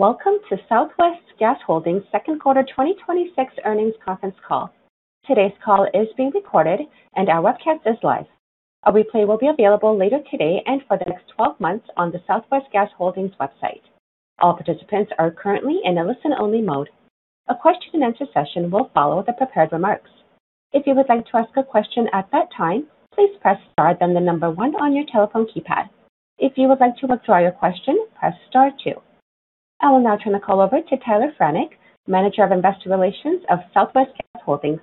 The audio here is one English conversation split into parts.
Welcome to Southwest Gas Holdings' second quarter 2026 earnings conference call. Today's call is being recorded, and our webcast is live. A replay will be available later today and for the next 12 months on the Southwest Gas Holdings website. All participants are currently in a listen-only mode. A question-and-answer session will follow the prepared remarks. If you would like to ask a question at that time, please press star then the number one on your telephone keypad. If you would like to withdraw your question, press star two. I will now turn the call over to Tyler Franek, Manager of Investor Relations of Southwest Gas Holdings.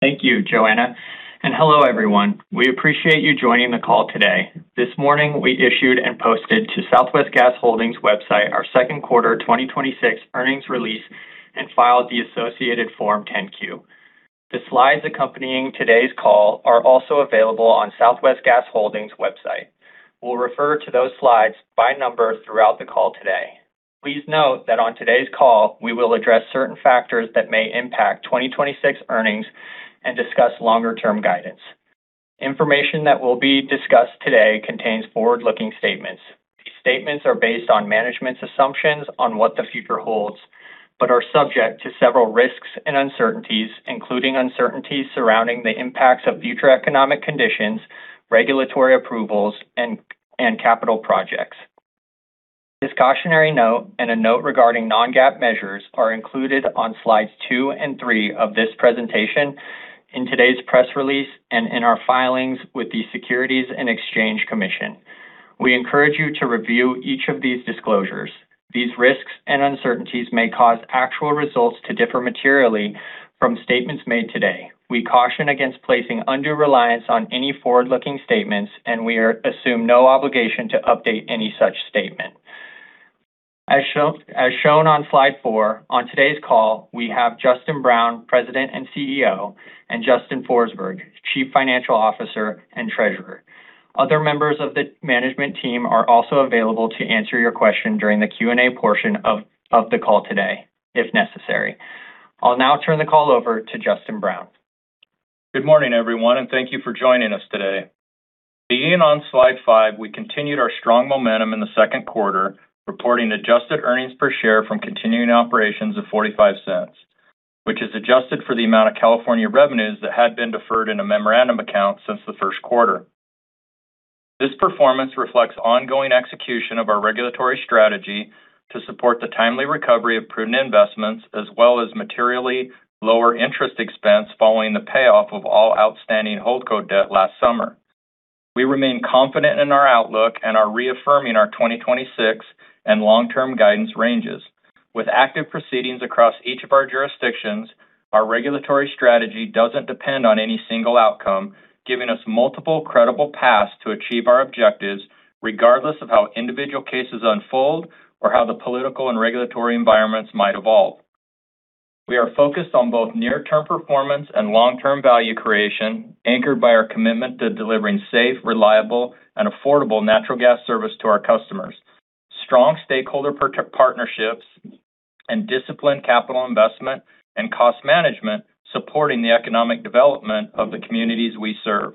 Thank you, Joanna. Hello, everyone. We appreciate you joining the call today. This morning, we issued and posted to Southwest Gas Holdings' website our second quarter 2026 earnings release and filed the associated Form 10-Q. The slides accompanying today's call are also available on Southwest Gas Holdings' website. We'll refer to those slides by number throughout the call today. Please note that on today's call, we will address certain factors that may impact 2026 earnings and discuss longer-term guidance. Information that will be discussed today contains forward-looking statements. These statements are based on management's assumptions on what the future holds, but are subject to several risks and uncertainties, including uncertainties surrounding the impacts of future economic conditions, regulatory approvals, and capital projects. This cautionary note and a note regarding non-GAAP measures are included on slides two and three of this presentation, in today's press release, and in our filings with the Securities and Exchange Commission. We encourage you to review each of these disclosures. These risks and uncertainties may cause actual results to differ materially from statements made today. We caution against placing undue reliance on any forward-looking statements. We assume no obligation to update any such statement. As shown on slide four, on today's call, we have Justin Brown, President and CEO, and Justin Forsberg, Chief Financial Officer and Treasurer. Other members of the management team are also available to answer your question during the Q&A portion of the call today if necessary. I'll now turn the call over to Justin Brown. Good morning, everyone. Thank you for joining us today. Beginning on slide five, we continued our strong momentum in the second quarter, reporting adjusted earnings per share from continuing operations of $0.45, which is adjusted for the amount of California revenues that had been deferred in a memorandum account since the first quarter. This performance reflects ongoing execution of our regulatory strategy to support the timely recovery of prudent investments, as well as materially lower interest expense following the payoff of all outstanding HoldCo debt last summer. We remain confident in our outlook and are reaffirming our 2026 and long-term guidance ranges. With active proceedings across each of our jurisdictions, our regulatory strategy doesn't depend on any single outcome, giving us multiple credible paths to achieve our objectives regardless of how individual cases unfold or how the political and regulatory environments might evolve. We are focused on both near-term performance and long-term value creation, anchored by our commitment to delivering safe, reliable, and affordable natural gas service to our customers. Strong stakeholder partnerships and disciplined capital investment and cost management supporting the economic development of the communities we serve.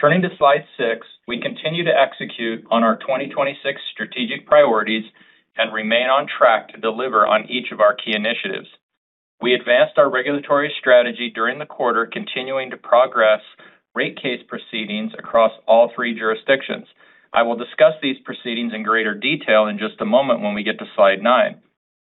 Turning to slide six, we continue to execute on our 2026 strategic priorities and remain on track to deliver on each of our key initiatives. We advanced our regulatory strategy during the quarter, continuing to progress rate case proceedings across all three jurisdictions. I will discuss these proceedings in greater detail in just a moment when we get to slide nine.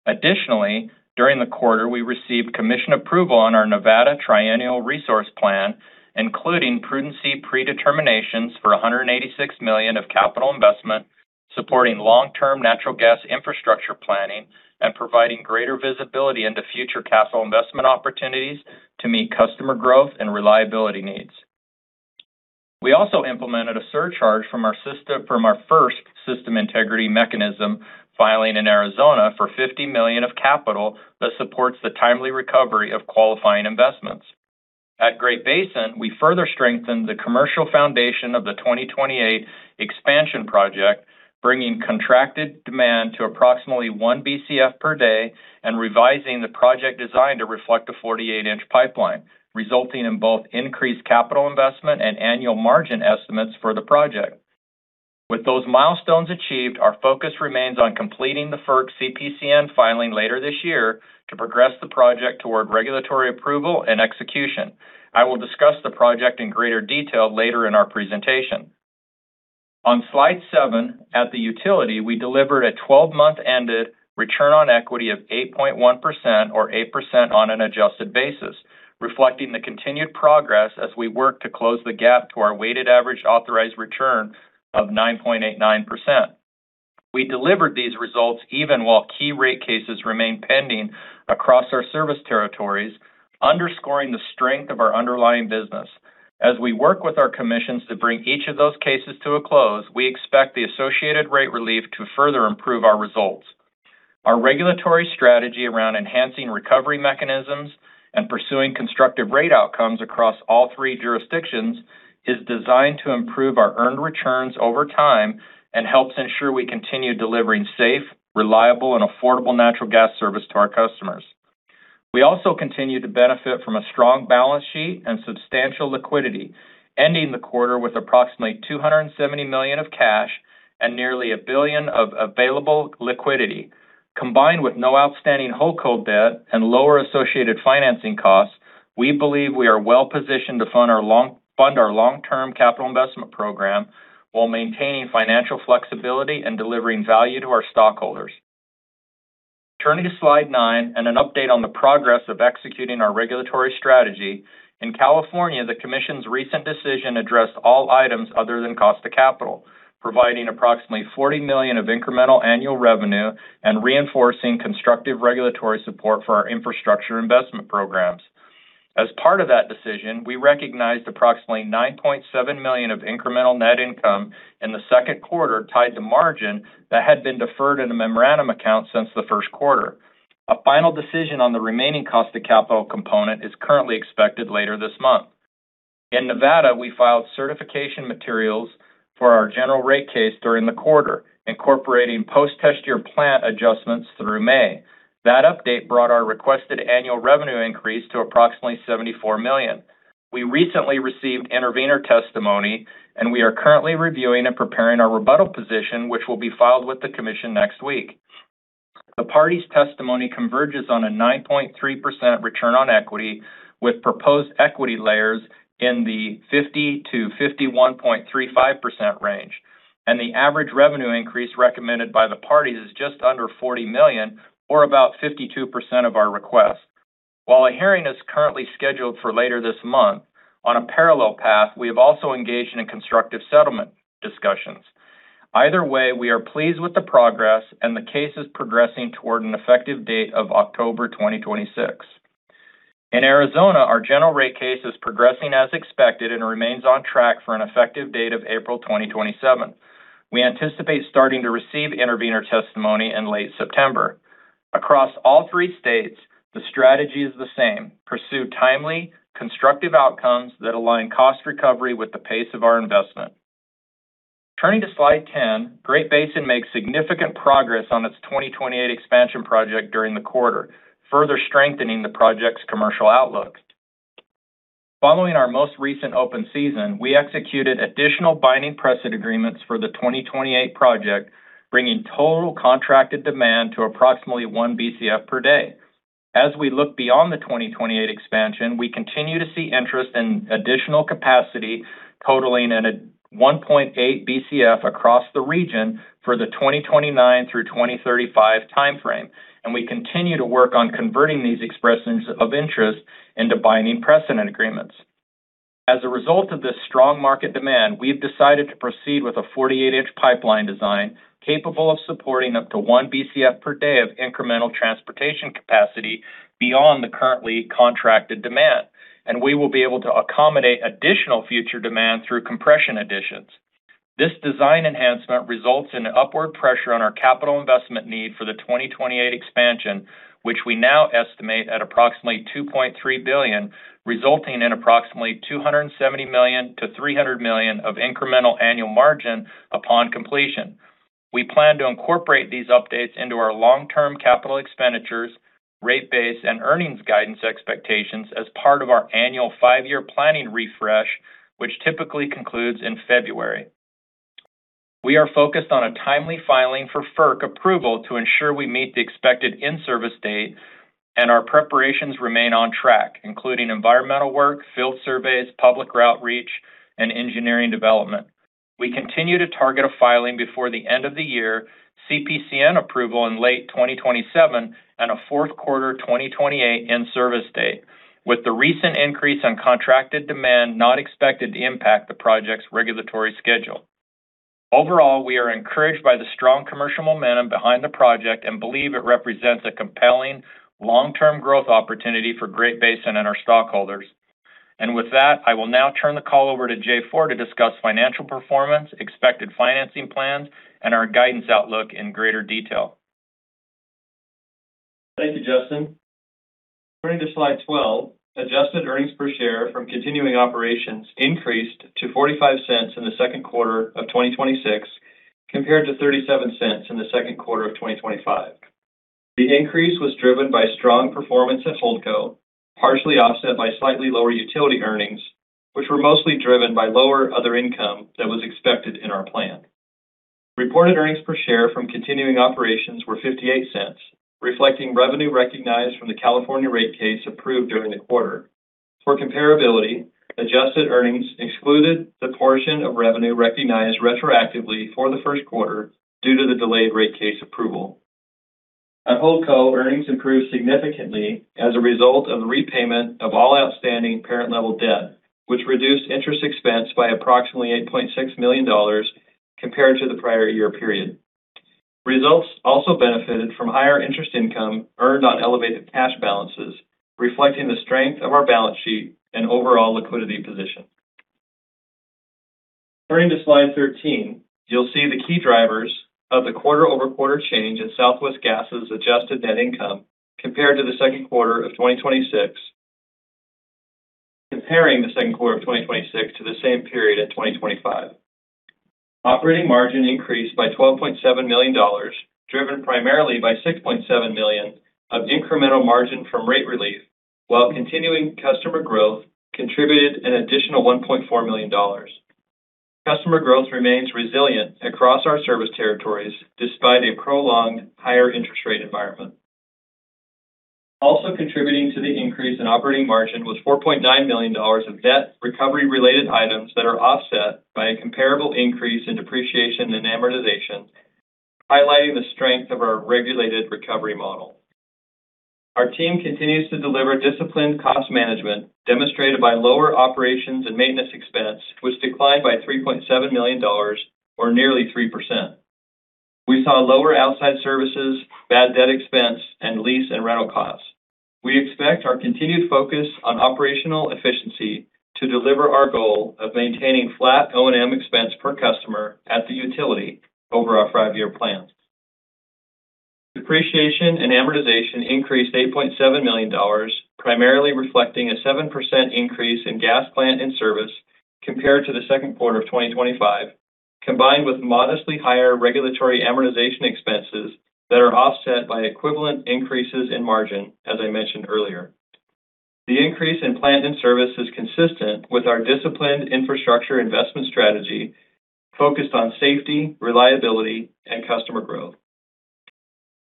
Additionally, during the quarter, we received commission approval on our Nevada Triennial Resource Plan, including prudency predeterminations for $186 million of capital investment, supporting long-term natural gas infrastructure planning and providing greater visibility into future capital investment opportunities to meet customer growth and reliability needs. We also implemented a surcharge from our first System Integrity Mechanism filing in Arizona for $50 million of capital that supports the timely recovery of qualifying investments. At Great Basin, we further strengthened the commercial foundation of the 2028 expansion project, bringing contracted demand to approximately one Bcf per day and revising the project design to reflect a 48 in pipeline, resulting in both increased capital investment and annual margin estimates for the project. With those milestones achieved, our focus remains on completing the FERC CPCN filing later this year to progress the project toward regulatory approval and execution. I will discuss the project in greater detail later in our presentation. On slide seven, at the utility, we delivered a 12-month ended return on equity of 8.1%, or 8% on an adjusted basis, reflecting the continued progress as we work to close the gap to our weighted average authorized return of 9.89%. We delivered these results even while key rate cases remain pending across our service territories, underscoring the strength of our underlying business. As we work with our commissions to bring each of those cases to a close, we expect the associated rate relief to further improve our results. Our regulatory strategy around enhancing recovery mechanisms and pursuing constructive rate outcomes across all three jurisdictions is designed to improve our earned returns over time and helps ensure we continue delivering safe, reliable, and affordable natural gas service to our customers. We also continue to benefit from a strong balance sheet and substantial liquidity, ending the quarter with approximately $270 million of cash and nearly $1 billion of available liquidity. Combined with no outstanding HoldCo debt and lower associated financing costs, we believe we are well-positioned to fund our long-term capital investment program while maintaining financial flexibility and delivering value to our stockholders. Turning to slide nine and an update on the progress of executing our regulatory strategy. In California, the commission's recent decision addressed all items other than cost of capital, providing approximately $40 million of incremental annual revenue and reinforcing constructive regulatory support for our infrastructure investment programs. As part of that decision, we recognized approximately $9.7 million of incremental net income in the second quarter tied to margin that had been deferred in a memorandum account since the first quarter. A final decision on the remaining cost of capital component is currently expected later this month. In Nevada, we filed certification materials for our general rate case during the quarter, incorporating post-test year plant adjustments through May. That update brought our requested annual revenue increase to approximately $74 million. We recently received intervener testimony. We are currently reviewing and preparing our rebuttal position, which will be filed with the commission next week. The parties' testimony converges on a 9.3% return on equity, with proposed equity layers in the 50%-51.35% range. The average revenue increase recommended by the parties is just under $40 million, or about 52% of our request. While a hearing is currently scheduled for later this month, on a parallel path, we have also engaged in constructive settlement discussions. Either way, we are pleased with the progress. The case is progressing toward an effective date of October 2026. In Arizona, our general rate case is progressing as expected and remains on track for an effective date of April 2027. We anticipate starting to receive intervener testimony in late September. Across all three states, the strategy is the same: pursue timely, constructive outcomes that align cost recovery with the pace of our investment. Turning to slide 10, Great Basin makes significant progress on its 2028 expansion project during the quarter, further strengthening the project's commercial outlook. Following our most recent open season, we executed additional binding precedent agreements for the 2028 project, bringing total contracted demand to approximately one Bcf per day. As we look beyond the 2028 expansion, we continue to see interest in additional capacity totaling in a 1.8 Bcf across the region for the 2029-2035 timeframe. We continue to work on converting these expressions of interest into binding precedent agreements. As a result of this strong market demand, we've decided to proceed with a 48 in pipeline design capable of supporting up to one Bcf per day of incremental transportation capacity beyond the currently contracted demand. We will be able to accommodate additional future demand through compression additions. This design enhancement results in upward pressure on our capital investment need for the 2028 expansion, which we now estimate at approximately $2.3 billion, resulting in approximately $270 million-$300 million of incremental annual margin upon completion. We plan to incorporate these updates into our long-term capital expenditures, rate base, and earnings guidance expectations as part of our annual five-year planning refresh, which typically concludes in February. We are focused on a timely filing for FERC approval to ensure we meet the expected in-service date. Our preparations remain on track, including environmental work, field surveys, public outreach, and engineering development. We continue to target a filing before the end of the year, CPCN approval in late 2027, and a fourth quarter 2028 in-service date, with the recent increase in contracted demand not expected to impact the project's regulatory schedule. Overall, we are encouraged by the strong commercial momentum behind the project and believe it represents a compelling long-term growth opportunity for Great Basin and our stockholders. With that, I will now turn the call over to Jay Ford to discuss financial performance, expected financing plans, and our guidance outlook in greater detail. Thank you, Justin. Turning to slide 12, adjusted earnings per share from continuing operations increased to $0.45 in the second quarter of 2026 compared to $0.37 in the second quarter of 2025. The increase was driven by strong performance at HoldCo, partially offset by slightly lower utility earnings, which were mostly driven by lower other income than was expected in our plan. Reported earnings per share from continuing operations were $0.58, reflecting revenue recognized from the California rate case approved during the quarter. For comparability, adjusted earnings excluded the portion of revenue recognized retroactively for the first quarter due to the delayed rate case approval. At HoldCo, earnings improved significantly as a result of repayment of all outstanding parent level debt, which reduced interest expense by approximately $8.6 million compared to the prior year period. Results also benefited from higher interest income earned on elevated cash balances, reflecting the strength of our balance sheet and overall liquidity position. Turning to slide 13, you'll see the key drivers of the quarter-over-quarter change in Southwest Gas's adjusted net income compared to the second quarter of 2026 Comparing the second quarter of 2026 to the same period in 2025. Operating margin increased by $12.7 million, driven primarily by $6.7 million of incremental margin from rate relief, while continuing customer growth contributed an additional $1.4 million. Customer growth remains resilient across our service territories, despite a prolonged higher interest rate environment. Also contributing to the increase in operating margin was $4.9 million of debt recovery-related items that are offset by a comparable increase in depreciation and amortization, highlighting the strength of our regulated recovery model. Our team continues to deliver disciplined cost management, demonstrated by lower operations and maintenance expense, which declined by $3.7 million or nearly 3%. We saw lower outside services, bad debt expense, and lease and rental costs. We expect our continued focus on operational efficiency to deliver our goal of maintaining flat O&M expense per customer at the utility over our five-year plan. Depreciation and amortization increased $8.7 million, primarily reflecting a 7% increase in gas plant and service compared to the second quarter of 2025, combined with modestly higher regulatory amortization expenses that are offset by equivalent increases in margin, as I mentioned earlier. The increase in plant and service is consistent with our disciplined infrastructure investment strategy focused on safety, reliability, and customer growth.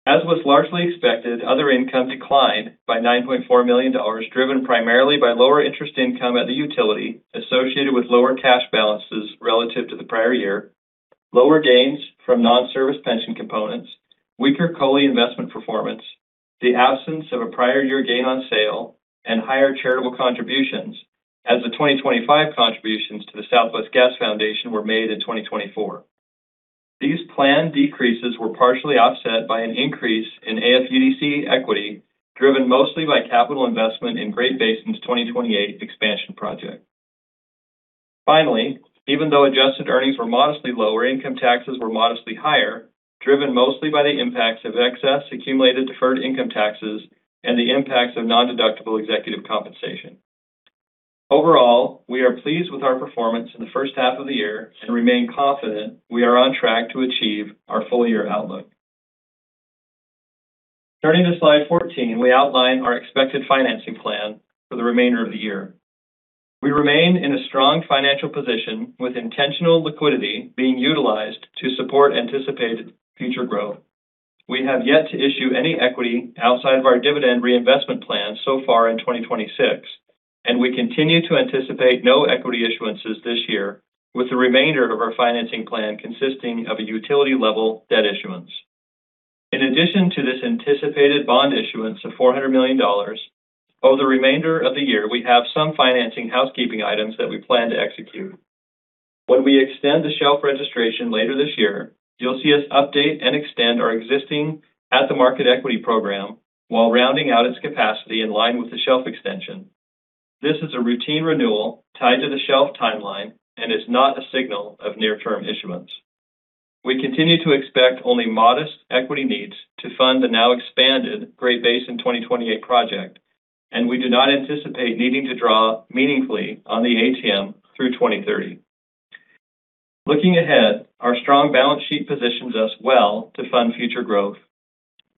As was largely expected, other income declined by $9.4 million, driven primarily by lower interest income at the utility associated with lower cash balances relative to the prior year, lower gains from non-service pension components, weaker COLI investment performance, the absence of a prior year gain on sale, and higher charitable contributions as the 2025 contributions to The Southwest Gas Foundation were made in 2024. These planned decreases were partially offset by an increase in AFUDC equity, driven mostly by capital investment in Great Basin's 2028 expansion project. Finally, even though adjusted earnings were modestly lower, income taxes were modestly higher, driven mostly by the impacts of excess accumulated deferred income taxes and the impacts of nondeductible executive compensation. Overall, we are pleased with our performance in the first half of the year and remain confident we are on track to achieve our full-year outlook. Turning to slide 14, we outline our expected financing plan for the remainder of the year. We remain in a strong financial position with intentional liquidity being utilized to support anticipated future growth. We have yet to issue any equity outside of our dividend reinvestment plan so far in 2026, and we continue to anticipate no equity issuances this year, with the remainder of our financing plan consisting of a utility-level debt issuance. In addition to this anticipated bond issuance of $400 million, over the remainder of the year, we have some financing housekeeping items that we plan to execute. When we extend the shelf registration later this year, you'll see us update and extend our existing at-the-market equity program while rounding out its capacity in line with the shelf extension. This is a routine renewal tied to the shelf timeline and is not a signal of near-term issuance. We continue to expect only modest equity needs to fund the now expanded Great Basin 2028 project, and we do not anticipate needing to draw meaningfully on the ATM through 2030. Looking ahead, our strong balance sheet positions us well to fund future growth.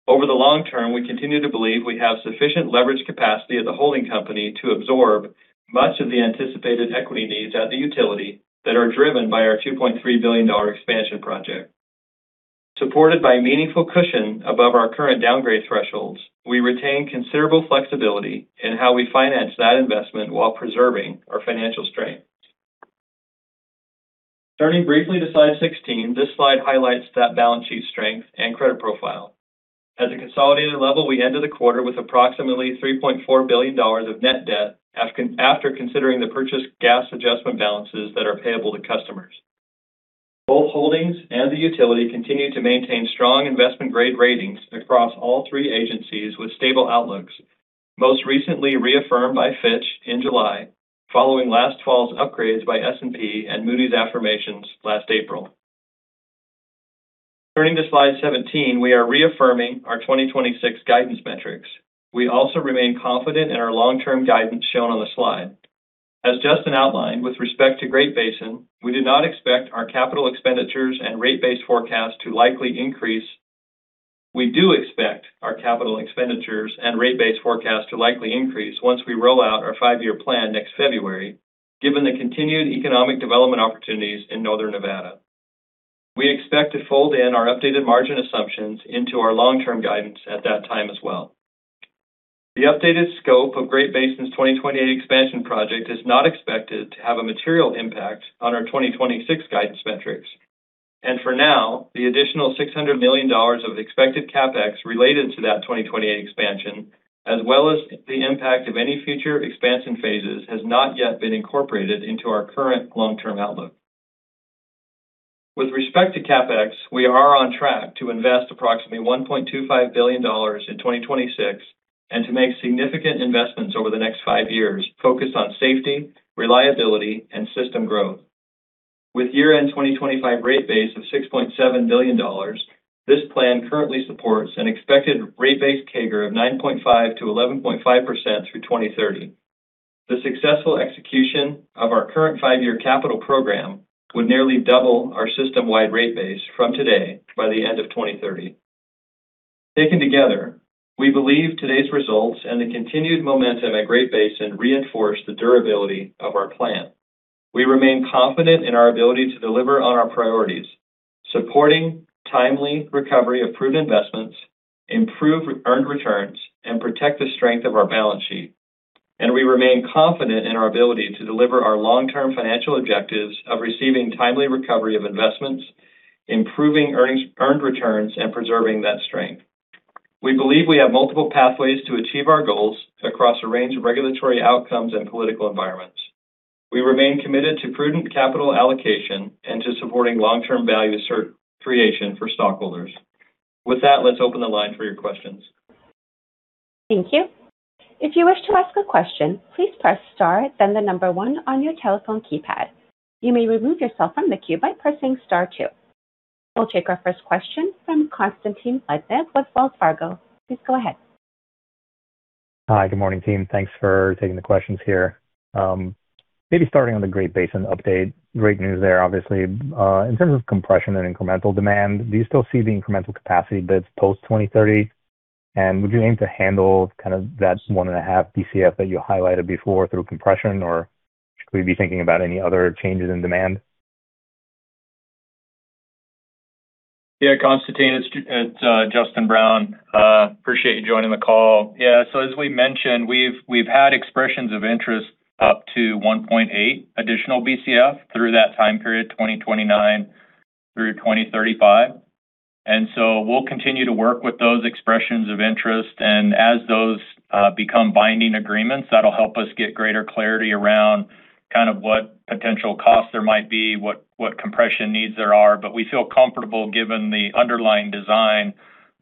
Over the long term, we continue to believe we have sufficient leverage capacity at the holding company to absorb much of the anticipated equity needs at the utility that are driven by our $2.3 billion expansion project. Supported by a meaningful cushion above our current downgrade thresholds, we retain considerable flexibility in how we finance that investment while preserving our financial strength. Turning briefly to slide 16, this slide highlights that balance sheet strength and credit profile. At a consolidated level, we ended the quarter with approximately $3.4 billion of net debt after considering the purchased gas adjustment balances that are payable to customers. Both holdings and the utility continue to maintain strong investment-grade ratings across all three agencies with stable outlooks, most recently reaffirmed by Fitch in July, following last fall's upgrades by S&P and Moody's affirmations last April. Turning to slide 17, we are reaffirming our 2026 guidance metrics. We also remain confident in our long-term guidance shown on the slide. As Justin outlined, with respect to Great Basin, we do not expect our capital expenditures and rate base forecast to likely increase. We do expect our capital expenditures and rate base forecast to likely increase once we roll out our five-year plan next February, given the continued economic development opportunities in Northern Nevada. We expect to fold in our updated margin assumptions into our long-term guidance at that time as well. The updated scope of Great Basin's 2028 expansion project is not expected to have a material impact on our 2026 guidance metrics. For now, the additional $600 million of expected CapEx related to that 2028 expansion, as well as the impact of any future expansion phases, has not yet been incorporated into our current long-term outlook. With respect to CapEx, we are on track to invest approximately $1.25 billion in 2026 and to make significant investments over the next five years focused on safety, reliability, and system growth. With year-end 2025 rate base of $6.7 billion, this plan currently supports an expected rate base CAGR of 9.5%-11.5% through 2030. The successful execution of our current five-year capital program would nearly double our system-wide rate base from today by the end of 2030. Taken together, we believe today's results and the continued momentum at Great Basin reinforce the durability of our plan. We remain confident in our ability to deliver on our priorities, supporting timely recovery of prudent investments, improve earned returns, and protect the strength of our balance sheet. We remain confident in our ability to deliver our long-term financial objectives of receiving timely recovery of investments, improving earned returns, and preserving that strength. We believe we have multiple pathways to achieve our goals across a range of regulatory outcomes and political environments. We remain committed to prudent capital allocation and to supporting long-term value creation for stockholders. With that, let's open the line for your questions. Thank you. If you wish to ask a question, please press star then the number one on your telephone keypad. You may remove yourself from the queue by pressing star two. We'll take our first question from Constantine Lednev with Wells Fargo. Please go ahead. Hi. Good morning, team. Thanks for taking the questions here. Maybe starting on the Great Basin update. Great news there, obviously. In terms of compression and incremental demand, do you still see the incremental capacity bids post-2030? Would you aim to handle that one and a half Bcf that you highlighted before through compression, or could we be thinking about any other changes in demand? Yeah, Constantine. It's Justin Brown. Appreciate you joining the call. Yeah. As we mentioned, we've had expressions of interest up to 1.8 additional Bcf through that time period, 2029 through 2035. We'll continue to work with those expressions of interest, and as those become binding agreements, that'll help us get greater clarity around what potential costs there might be, what compression needs there are. We feel comfortable given the underlying design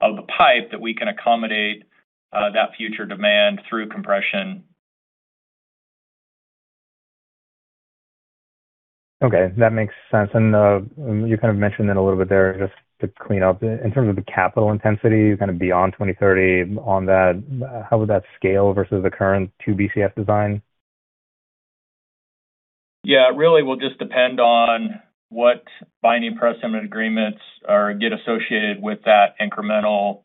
of the pipe that we can accommodate that future demand through compression. Okay. That makes sense. You kind of mentioned it a little bit there, just to clean up. In terms of the capital intensity kind of beyond 2030 on that, how would that scale versus the current two Bcf design? Yeah. It really will just depend on what binding precedent agreements get associated with that incremental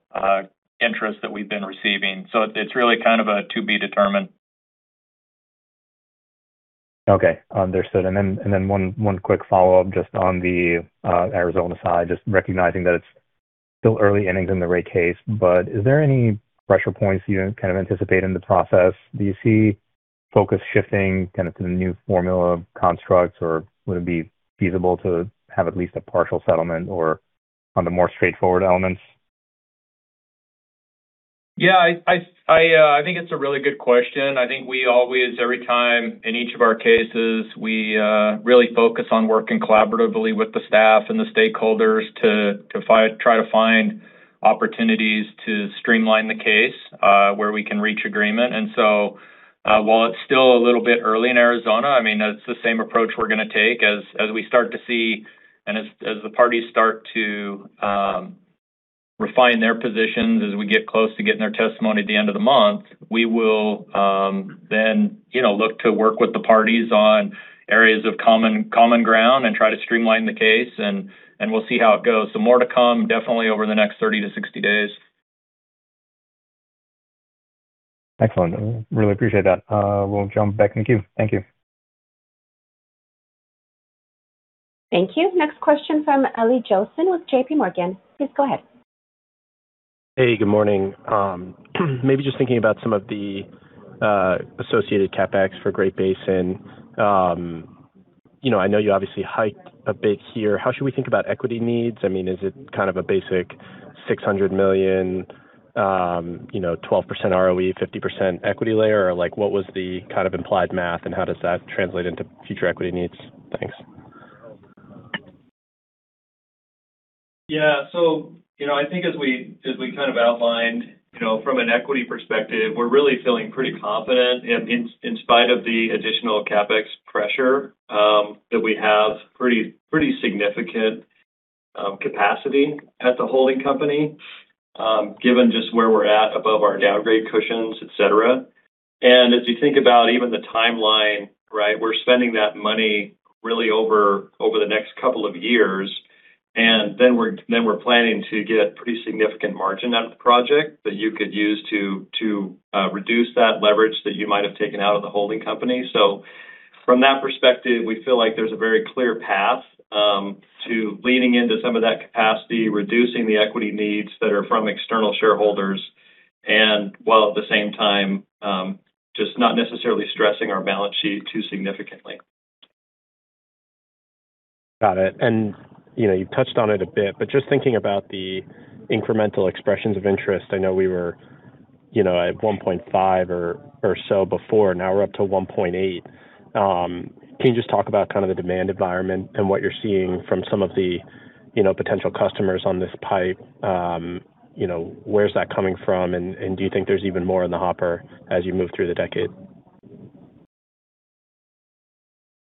interest that we've been receiving. It's really kind of a to be determined. One quick follow-up just on the Arizona side, just recognizing that it's still early innings in the rate case, but is there any pressure points you kind of anticipate in the process? Do you see focus shifting to the new formula constructs, or would it be feasible to have at least a partial settlement or on the more straightforward elements? Yeah. I think it's a really good question. I think we always, every time in each of our cases, we really focus on working collaboratively with the staff and the stakeholders to try to find opportunities to streamline the case where we can reach agreement. While it's still a little bit early in Arizona, it's the same approach we're going to take as we start to see and as the parties start to refine their positions as we get close to getting their testimony at the end of the month. We will then look to work with the parties on areas of common ground and try to streamline the case, and we'll see how it goes. More to come definitely over the next 30-60 days. Excellent. Really appreciate that. We'll jump back in the queue. Thank you. Thank you. Next question from Eli Jossen with JPMorgan. Please go ahead. Hey, good morning. Maybe just thinking about some of the associated CapEx for Great Basin. How should we think about equity needs? Is it kind of a basic $600 million, 12% ROE, 50% equity layer, or what was the kind of implied math, and how does that translate into future equity needs? Thanks. Yeah. I think as we kind of outlined from an equity perspective, we're really feeling pretty confident in spite of the additional CapEx pressure that we have pretty significant capacity at the holding company given just where we're at above our downgrade cushions, et cetera. As you think about even the timeline, we're spending that money really over the next couple of years. Then we're planning to get pretty significant margin out of the project that you could use to reduce that leverage that you might have taken out of the holding company. From that perspective, we feel like there's a very clear path to leaning into some of that capacity, reducing the equity needs that are from external shareholders, and while at the same time, just not necessarily stressing our balance sheet too significantly. Got it. You touched on it a bit, but just thinking about the incremental expressions of interest. I know we were at 1.5 or so before. Now we're up to 1.8. Can you just talk about kind of the demand environment and what you're seeing from some of the potential customers on this pipe? Where is that coming from, and do you think there's even more in the hopper as you move through the decade?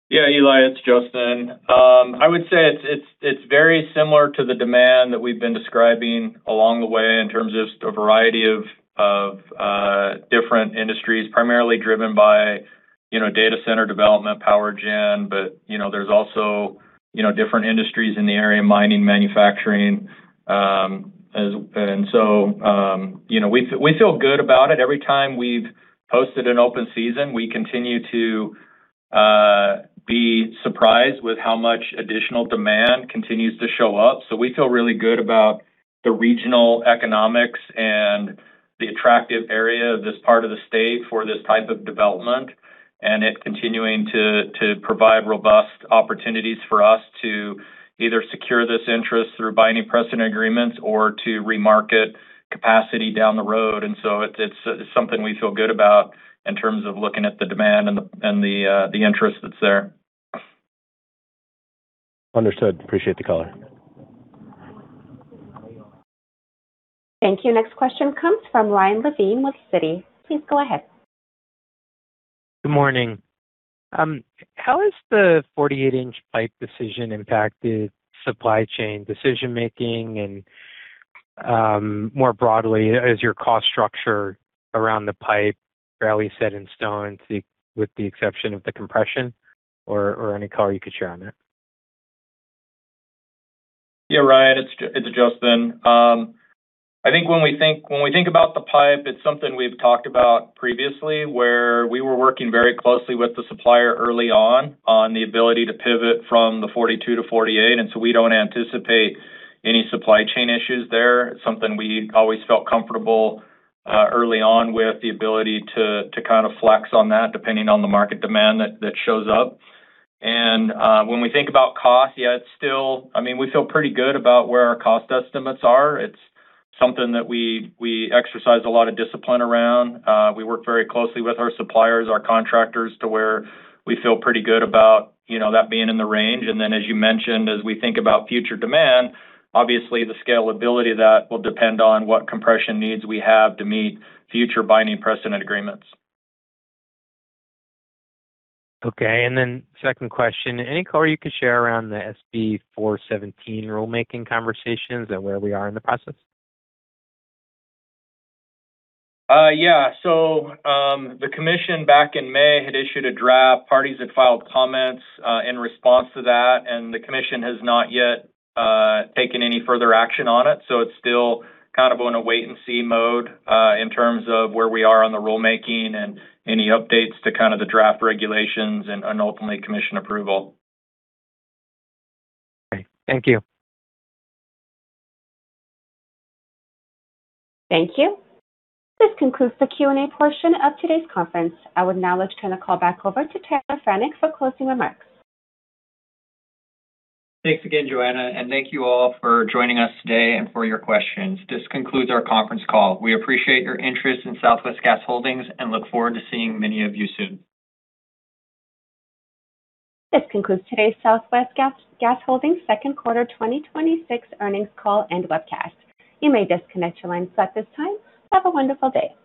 Yeah, Eli, it's Justin. I would say it's very similar to the demand that we've been describing along the way in terms of just a variety of different industries, primarily driven by data center development, power gen, but there's also different industries in the area, mining, manufacturing. We feel good about it. Every time we've hosted an open season, we continue to be surprised with how much additional demand continues to show up. We feel really good about the regional economics and the attractive area of this part of the state for this type of development, and it continuing to provide robust opportunities for us to either secure this interest through binding precedent agreements or to remarket capacity down the road. It's something we feel good about in terms of looking at the demand and the interest that's there. Understood. Appreciate the call. Thank you. Next question comes from Ryan Levine with Citi. Please go ahead. Good morning. How has the 48 in pipe decision impacted supply chain decision-making? More broadly, is your cost structure around the pipe really set in stone, with the exception of the compression? Any color you could share on that. Yeah, Ryan, it's Justin. I think when we think about the pipe, it's something we've talked about previously, where we were working very closely with the supplier early on on the ability to pivot from the 42 to 48. We don't anticipate any supply chain issues there. It's something we always felt comfortable early on with the ability to kind of flex on that, depending on the market demand that shows up. When we think about cost, yeah, we feel pretty good about where our cost estimates are. It's something that we exercise a lot of discipline around. We work very closely with our suppliers, our contractors, to where we feel pretty good about that being in the range. As you mentioned, as we think about future demand, obviously the scalability of that will depend on what compression needs we have to meet future binding precedent agreements. Second question. Any color you could share around the SB 417 rulemaking conversations and where we are in the process? The commission back in May had issued a draft. Parties had filed comments in response to that, the commission has not yet taken any further action on it. It's still kind of in a wait-and-see mode, in terms of where we are on the rulemaking and any updates to the draft regulations and, ultimately, commission approval. Great. Thank you. Thank you. This concludes the Q&A portion of today's conference. I would now like to turn the call back over to Tyler Franek for closing remarks. Thanks again, Joanna, and thank you all for joining us today and for your questions. This concludes our conference call. We appreciate your interest in Southwest Gas Holdings and look forward to seeing many of you soon. This concludes today's Southwest Gas Holdings second quarter 2026 earnings call and webcast. You may disconnect your lines at this time. Have a wonderful day.